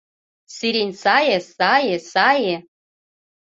Сирень сае, сае, сае